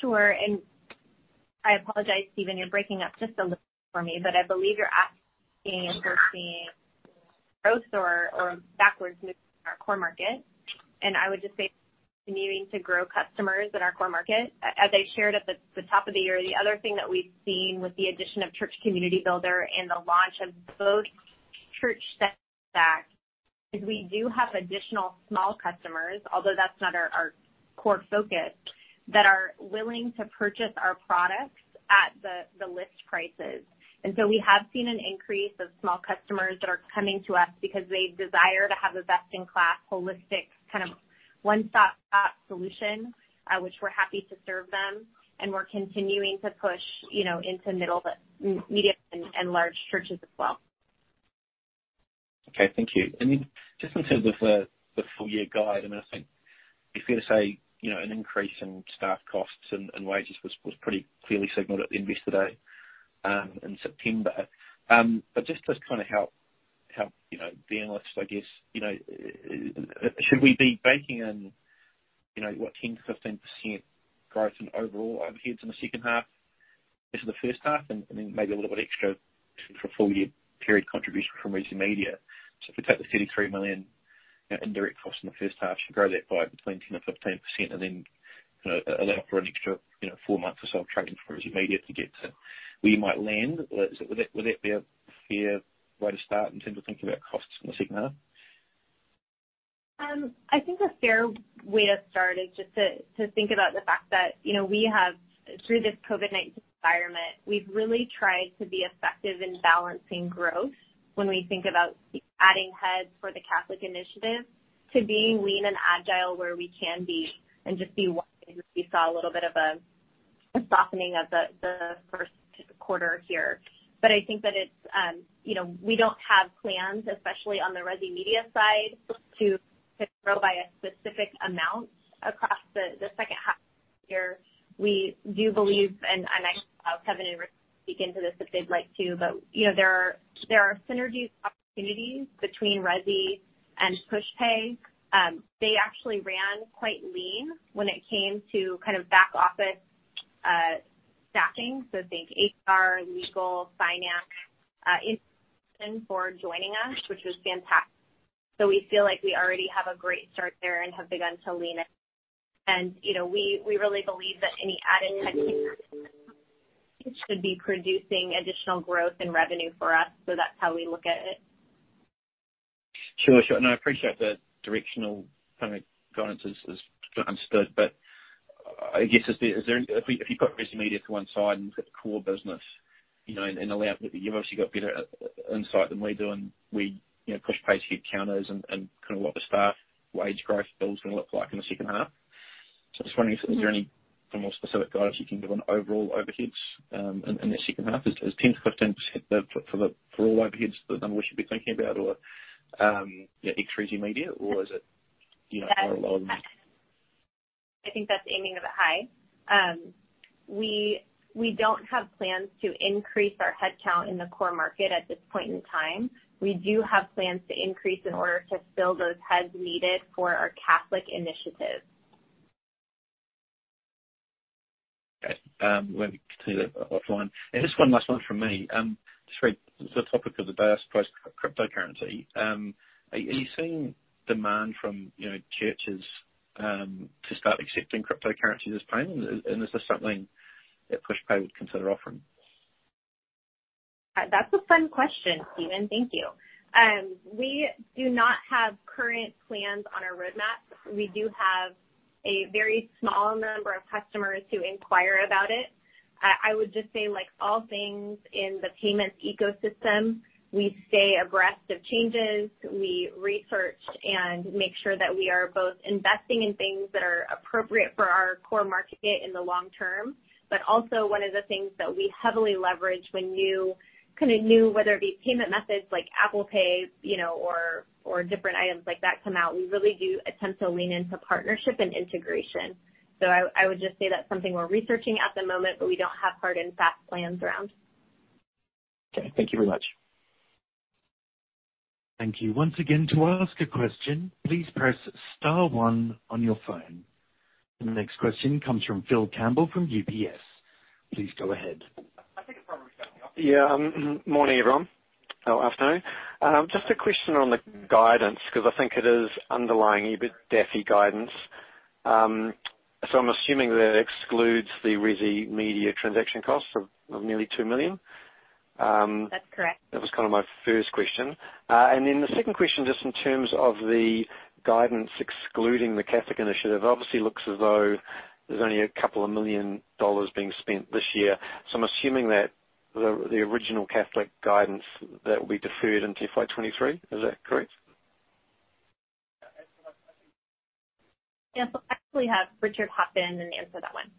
Sure. I apologize, Stephen, you're breaking up just a little for me. I believe you're asking if we're seeing growth or backwards movement in our core market. I would just say continuing to grow customers in our core market. As I shared at the top of the year, the other thing that we've seen with the addition of Church Community Builder and the launch of both ChurchStaq is we do have additional small customers, although that's not our core focus, that are willing to purchase our products at the list prices. We have seen an increase of small customers that are coming to us because they desire to have a best-in-class, holistic, kind of one-stop-shop solution, which we're happy to serve them, and we're continuing to push, you know, into middle to medium and large churches as well. Okay. Thank you. Just in terms of the full year guide, and I think it's fair to say, you know, an increase in staff costs and wages was pretty clearly signaled at Investor Day in September. Just to kind of help you know the analysts, I guess, you know, should we be baking in, you know what, 10%-15% growth in overall overheads in the second half versus the first half, and then maybe a little bit extra for full year period contribution from Resi Media? If you take the $33 million in direct costs in the first half, you grow that by between 10% and 15% and then, you know, allow for an extra, you know, four months or so of trading for Resi Media to get to where you might land. Would that be a fair way to start in terms of thinking about costs in the second half? I think a fair way to start is just to think about the fact that, you know, we have through this COVID-19 environment, we've really tried to be effective in balancing growth when we think about adding heads for the Catholic initiative to being lean and agile where we can be and just be wise. We saw a little bit of a softening of the first quarter here. I think that it's, you know, we don't have plans, especially on the Resi Media side, to grow by a specific amount across the second half year. We do believe and I'll have Kevin and Rick speak into this if they'd like to, but, you know, there are synergies opportunities between Resi and Pushpay. They actually ran quite lean when it came to kind of back office staffing. Think HR, legal, finance for joining us, which was fantastic. We feel like we already have a great start there and have begun to lean it. You know, we really believe that any added headcounts should be producing additional growth and revenue for us. That's how we look at it. Sure, sure. I appreciate the directional kind of guidance is understood. I guess if you put Resi Media to one side and look at the core business, you know, you've obviously got better insight than we do, and we, you know, Pushpay's headcounts and kind of what the staff wage growth bill's gonna look like in the second half. I'm just wondering is there any more specific guidance you can give on overall overheads in the second half? Is 10%-15% the number for all overheads we should be thinking about or, you know, ex Resi Media, or is it, you know, a lot of- I think that's aiming a bit high. We don't have plans to increase our headcount in the core market at this point in time. We do have plans to increase in order to fill those heads needed for our Catholic initiative. Okay. We'll continue that offline. Just one last one from me. The topic of the day, I suppose, cryptocurrency. Are you seeing demand from, you know, churches, to start accepting cryptocurrency as payment? Is this something that Pushpay would consider offering? That's a fun question, Steven. Thank you. We do not have current plans on our roadmap. We do have a very small number of customers who inquire about it. I would just say, like all things in the payments ecosystem, we stay abreast of changes. We research and make sure that we are both investing in things that are appropriate for our core market fit in the long term. Also one of the things that we heavily leverage when new, kind of new, whether it be payment methods like Apple Pay, you know, or different items like that come out, we really do attempt to lean into partnership and integration. I would just say that's something we're researching at the moment, but we don't have hard and fast plans around. Okay. Thank you very much. Thank you. Once again, to ask a question, please press star one on your phone. The next question comes from Phil Campbell from UBS. Please go ahead. Yeah. Morning, everyone, or afternoon. Just a question on the guidance because I think it is underlying EBITDA guidance. So I'm assuming that excludes the Resi Media transaction costs of nearly $2 million. That's correct. That was kinda my first question. The second question, just in terms of the guidance, excluding the Catholic initiative, obviously looks as though there's only $2 million being spent this year. I'm assuming that the original Catholic guidance that will be deferred into FY 2023. Is that correct? Yes. I'll actually have Richard hop in and answer that one.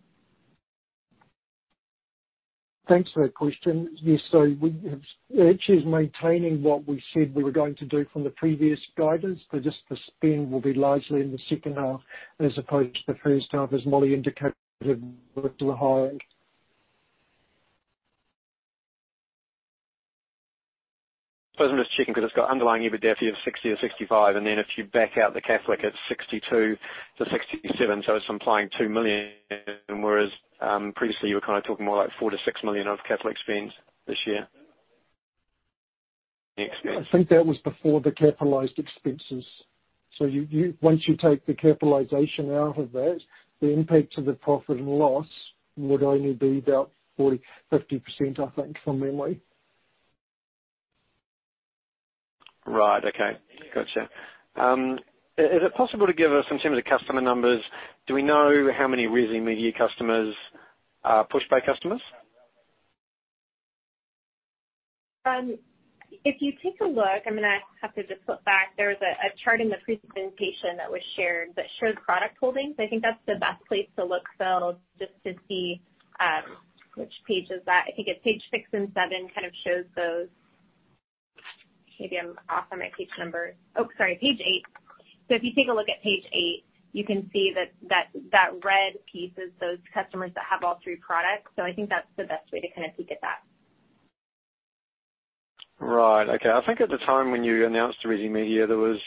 Thanks for that question. Yes, it is maintaining what we said we were going to do from the previous guidance, but just the spend will be largely in the second half as opposed to the first half, as Molly indicated. I'm just checking because it's got underlying EBITDA of $60 million-$65 million, and then if you back out the Catholic, it's $62 million-$67 million. It's implying $2 million whereas, previously you were kinda talking more like $4 million-$6 million of Catholic spend this year. I think that was before the capitalized expenses. Once you take the capitalization out of that, the impact to the profit and loss would only be about 40%-50%, I think, from memory. Right. Okay. Gotcha. Is it possible to give us in terms of customer numbers, do we know how many Resi Media customers are Pushpay customers? If you take a look, I'm gonna have to just flip back. There was a chart in the presentation that was shared that shows product holdings. I think that's the best place to look, Phil, just to see which page is that? I think it's page six and seven, kind of shows those. Maybe I'm off on my page number. Oh, sorry, page eight. If you take a look at page eight, you can see that red piece is those customers that have all three products. I think that's the best way to kinda peek at that. Right. Okay. I think at the time when you announced Resi Media, there was,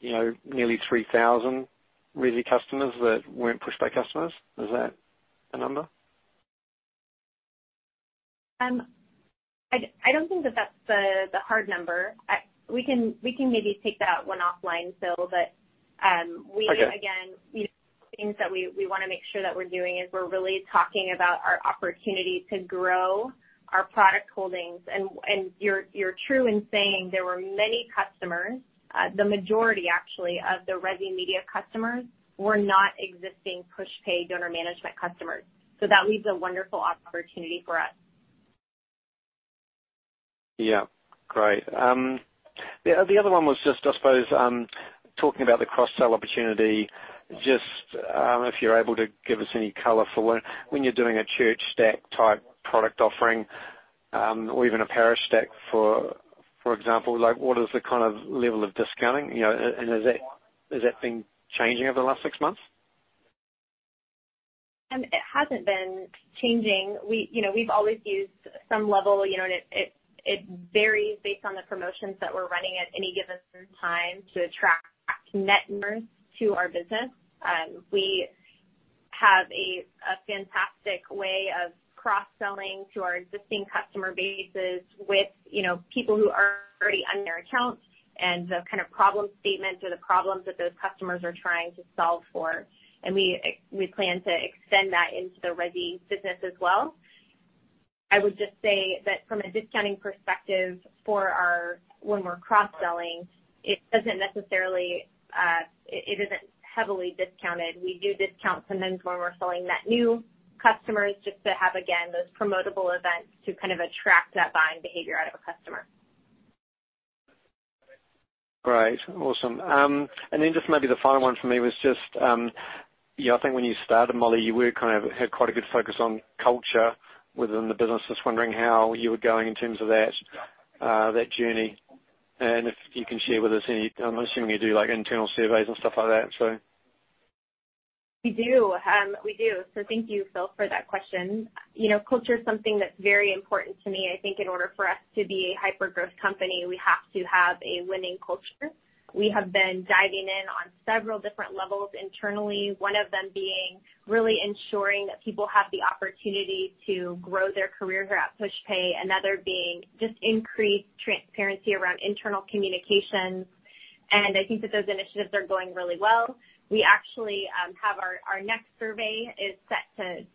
you know, nearly 3,000 Resi customers that weren't Pushpay customers. Is that the number? I don't think that's the hard number. We can maybe take that one offline, Phil, but we- Okay. Again, you know, things that we wanna make sure that we're doing is we're really talking about our opportunity to grow our product holdings. You're true in saying there were many customers, the majority actually of the Resi Media customers were not existing Pushpay donor management customers. That leaves a wonderful opportunity for us. Yeah. Great. The other one was just, I suppose, talking about the cross-sell opportunity, just, if you're able to give us any color for when you're doing a ChurchStaq-type product offering, or even a ParishStaq, for example, like, what is the kind of level of discounting, you know, and has that been changing over the last six months? It hasn't been changing. We, you know, we've always used some level, you know, and it varies based on the promotions that we're running at any given time to attract net members to our business. We have a fantastic way of cross-selling to our existing customer bases with, you know, people who are already on their account and the kind of problem statement or the problems that those customers are trying to solve for. We plan to extend that into the Resi business as well. I would just say that from a discounting perspective, when we're cross-selling, it doesn't necessarily, it isn't heavily discounted. We do discount sometimes when we're selling to new customers just to have, again, those promotable events to kind of attract that buying behavior out of a customer. Great. Awesome. Just maybe the final one for me was just, you know, I think when you started, Molly, you were kind of had quite a good focus on culture within the business. Just wondering how you were going in terms of that journey, and if you can share with us any. I'm assuming you do, like, internal surveys and stuff like that, so. We do. Thank you, Phil, for that question. You know, culture is something that's very important to me. I think in order for us to be a hyper-growth company, we have to have a winning culture. We have been diving in on several different levels internally. One of them being really ensuring that people have the opportunity to grow their career here at Pushpay, another being just increased transparency around internal communications. I think that those initiatives are going really well. We actually have our next survey set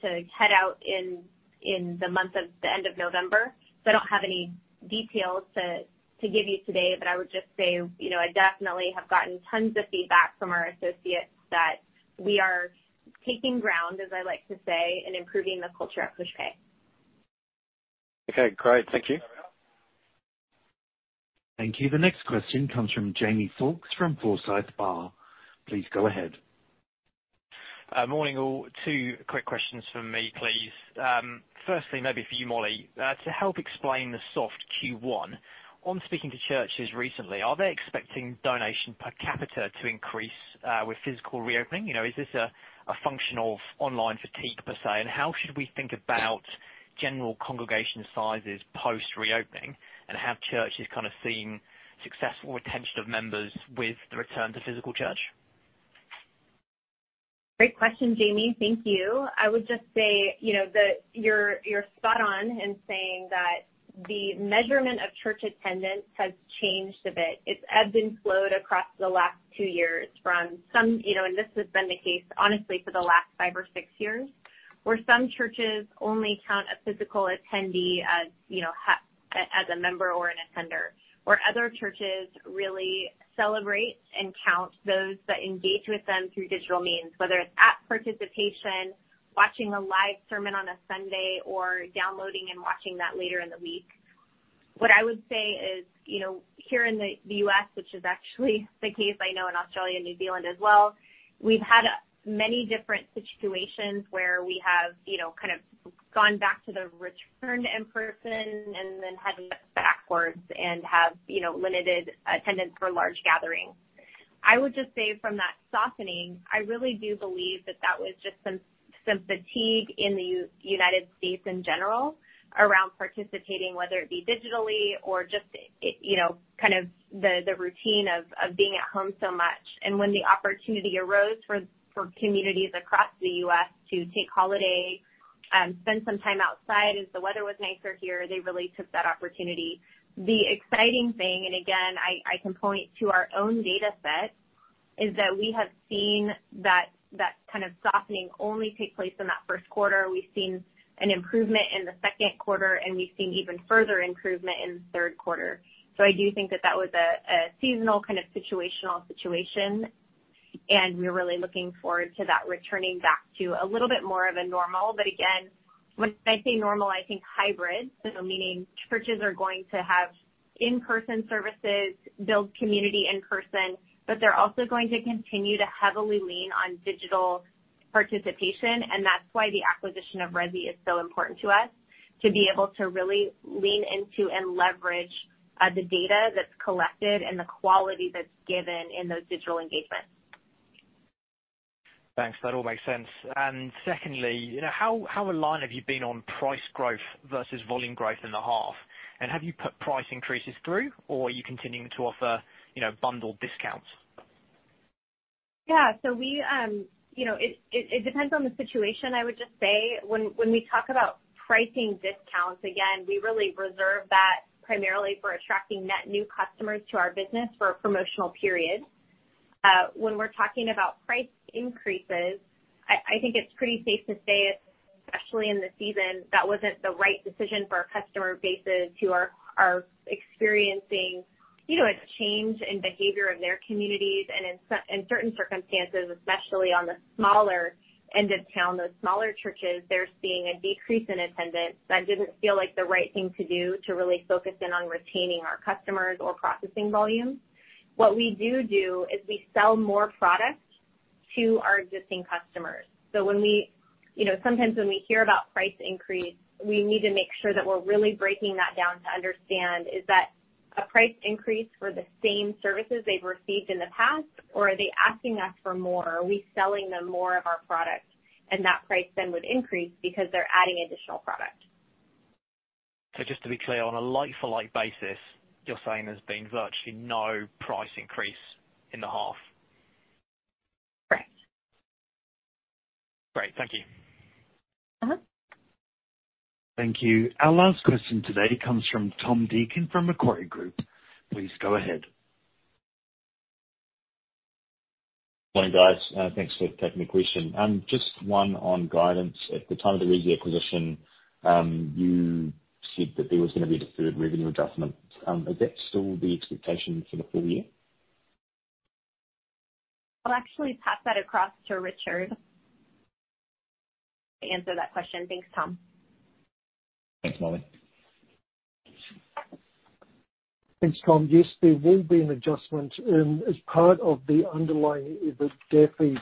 to head out in the month of the end of November. I don't have any details to give you today, but I would just say, you know, I definitely have gotten tons of feedback from our associates that we are taking ground, as I like to say, in improving the culture at Pushpay. Okay, great. Thank you. Thank you. The next question comes from Jamie Foulkes from Forsyth Barr. Please go ahead. Morning, all. Two quick questions from me, please. Firstly, maybe for you, Molly. To help explain the soft Q1, on speaking to churches recently, are they expecting donation per capita to increase with physical reopening? You know, is this a function of online fatigue, per se? And how should we think about general congregation sizes post-reopening? And have churches kind of seen successful retention of members with the return to physical church? Great question, Jamie. Thank you. I would just say, you know, that you're spot on in saying that the measurement of church attendance has changed a bit. It's ebbed and flowed across the last two years from some. You know, this has been the case, honestly, for the last five or six years, where some churches only count a physical attendee as, you know, as a member or an attender, where other churches really celebrate and count those that engage with them through digital means, whether it's app participation, watching a live sermon on a Sunday, or downloading and watching that later in the week. What I would say is, you know, here in the U.S., which is actually the case I know in Australia and New Zealand as well, we've had many different situations where we have, you know, kind of gone back to the return in person and then had to look backwards and have, you know, limited attendance for large gatherings. I would just say from that softening, I really do believe that that was just some fatigue in the United States in general around participating, whether it be digitally or just, you know, kind of the routine of being at home so much. When the opportunity arose for communities across the U.S. to take holiday, spend some time outside as the weather was nicer here, they really took that opportunity. The exciting thing, and again, I can point to our own data set, is that we have seen that kind of softening only take place in that first quarter. We've seen an improvement in the second quarter, and we've seen even further improvement in the third quarter. I do think that that was a seasonal kind of situational situation, and we're really looking forward to that returning back to a little bit more of a normal. But again, when I say normal, I think hybrid. Meaning churches are going to have in-person services, build community in person, but they're also going to continue to heavily lean on digital participation, and that's why the acquisition of Resi is so important to us, to be able to really lean into and leverage the data that's collected and the quality that's given in those digital engagements. Thanks. That all makes sense. Secondly, you know, how in line have you been on price growth versus volume growth in the half? Have you put price increases through, or are you continuing to offer, you know, bundled discounts? Yeah. It depends on the situation, I would just say. When we talk about pricing discounts, again, we really reserve that primarily for attracting net new customers to our business for a promotional period. When we're talking about price increases, I think it's pretty safe to say, especially in the season, that wasn't the right decision for our customer bases who are experiencing, you know, a change in behavior in their communities. In certain circumstances, especially on the smaller end of town, those smaller churches, they're seeing a decrease in attendance. That didn't feel like the right thing to do to really focus in on retaining our customers or processing volume. What we do is we sell more product to our existing customers. When we... You know, sometimes when we hear about price increase, we need to make sure that we're really breaking that down to understand, is that a price increase for the same services they've received in the past, or are they asking us for more? Are we selling them more of our product, and that price then would increase because they're adding additional product. Just to be clear, on a like-for-like basis, you're saying there's been virtually no price increase in the half? Right. Great. Thank you. Uh-huh. Thank you. Our last question today comes from Tom Deacon from Macquarie Group. Please go ahead. Morning, guys. Thanks for taking the question. Just one on guidance. At the time of the Resi acquisition, you said that there was gonna be a deferred revenue adjustment. Is that still the expectation for the full year? I'll actually pass that across to Richard to answer that question. Thanks, Tom. Thanks, Molly. Thanks, Tom. Yes, there will be an adjustment. As part of the underlying, the EBITDAFI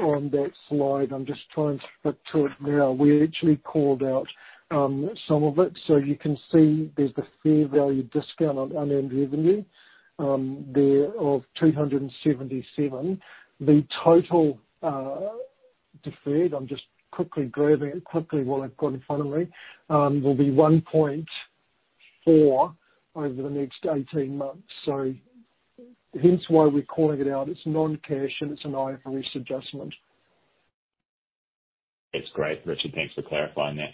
on that slide, I'm just trying to flick to it now. We actually called out some of it. You can see there's the fair value discount on unearned revenue there of $277. The total deferred, I'm just quickly grabbing it while I've got it in front of me, will be $1.4 over the next 18 months. Hence why we're calling it out. It's non-cash, and it's an IFRS adjustment. It's great, Richard. Thanks for clarifying that.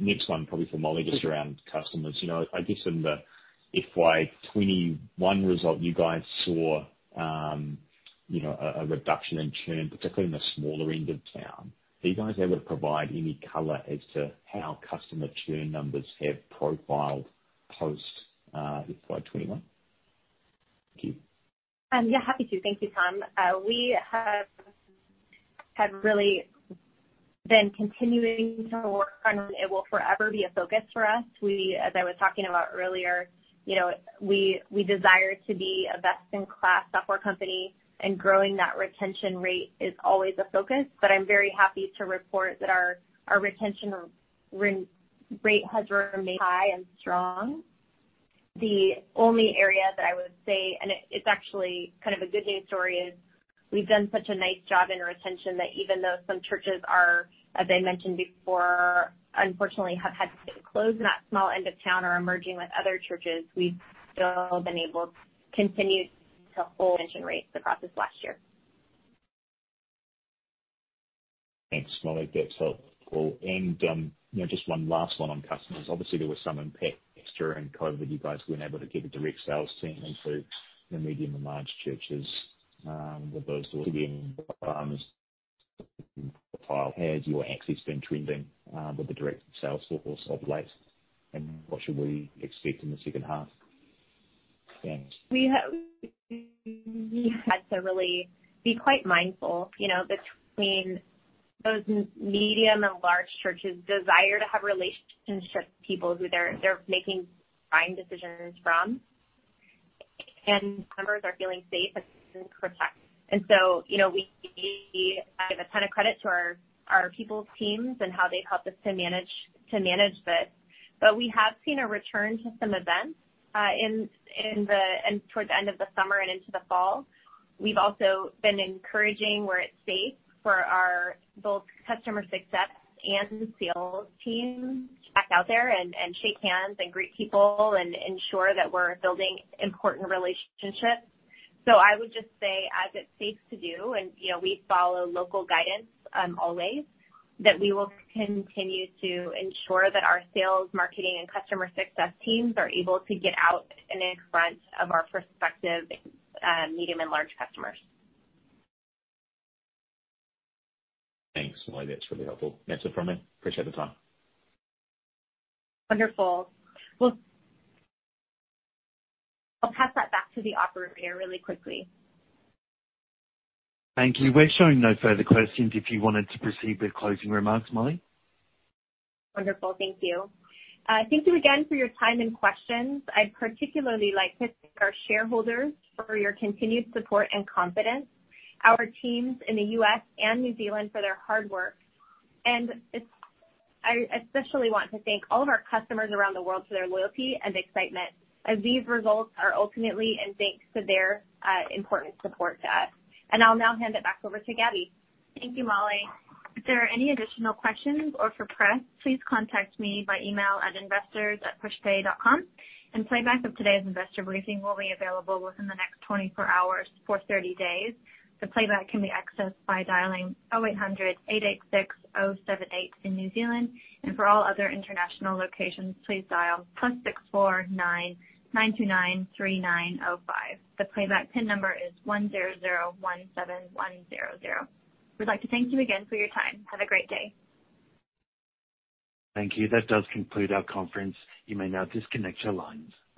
Next one probably for Molly, just around customers. You know, I guess in the FY 2021 result, you guys saw a reduction in churn, particularly in the smaller end of town. Are you guys able to provide any color as to how customer churn numbers have profiled post FY 2021? Thank you. Yeah, happy to. Thank you, Tom. We have really been continuing to work on it. It will forever be a focus for us. As I was talking about earlier, you know, we desire to be a best-in-class software company, and growing that retention rate is always a focus. I'm very happy to report that our retention rate has remained high and strong. The only area that I would say, and it's actually kind of a good news story, is we've done such a nice job in retention that even though some churches are, as I mentioned before, unfortunately have had to close in that small end of town or are merging with other churches, we've still been able to continue to hold retention rates across this last year. Thanks, Molly. That's helpful. You know, just one last one on customers. Obviously, there was some impact during COVID that you guys weren't able to get a direct sales team into the medium and large churches. How has your access been trending with the direct sales force of late? What should we expect in the second half? Thanks. We had to really be quite mindful, you know, between those medium and large churches desire to have relationships with people who they're making buying decisions from. Members are feeling safe and protected. We give a ton of credit to our people's teams and how they've helped us to manage this. We have seen a return to some events towards the end of the summer and into the fall. We've also been encouraging, where it's safe, both our customer success and sales teams back out there and shake hands and greet people and ensure that we're building important relationships. I would just say, as it's safe to do, and, you know, we follow local guidance, always, that we will continue to ensure that our sales, marketing, and customer success teams are able to get out and in front of our prospective, medium and large customers. Thanks, Molly. That's really helpful. That's it from me. Appreciate the time. Wonderful. I'll pass that back to the operator really quickly. Thank you. We're showing no further questions if you wanted to proceed with closing remarks, Molly. Wonderful. Thank you. Thank you again for your time and questions. I'd particularly like to thank our shareholders for your continued support and confidence, our teams in the U.S. and New Zealand for their hard work. I especially want to thank all of our customers around the world for their loyalty and excitement, as these results are ultimately in thanks to their important support to us. I'll now hand it back over to Gabby. Thank you, Molly. If there are any additional questions or for press, please contact me by email at investors@pushpay.com. Playback of today's investor briefing will be available within the next 24 hours for 30 days. The playback can be accessed by dialing 0800-886-078 in New Zealand. For all other international locations, please dial +649-929-3905. The playback PIN number is 10017100. We'd like to thank you again for your time. Have a great day. Thank you. That does conclude our conference. You may now disconnect your lines.